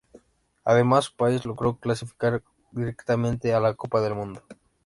Además, su país logró clasificar directamente a la Copa del Mundo.